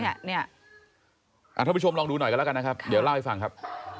เนี้ยเนี้ยอ่ะทุกผู้ชมลองดูหน่อยกันแล้วกันนะครับครับเดี๋ยวเล่าให้ฟังครับ